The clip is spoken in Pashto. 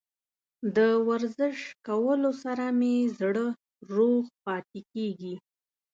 د ورزش کولو سره مې زړه روغ پاتې کیږي.